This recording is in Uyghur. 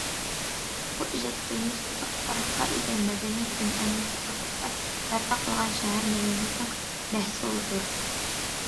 بۇ، ئەجدادلىرىمىز ئۇزاق تارىخقا ئىگە مەدەنىيەت ئەنئەنىسى ئاساسىدا بەرپا قىلغان شەھەر مەدەنىيىتىنىڭ مەھسۇلىدۇر.